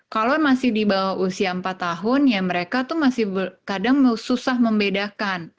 kalau masih di bawah usia empat tahun ya mereka tuh masih kadang susah membedakan